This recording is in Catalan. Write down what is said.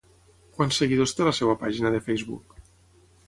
Quants seguidors té la seva pàgina de Facebook?